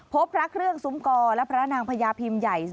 พระเครื่องซุ้มกอและพระนางพญาพิมพ์ใหญ่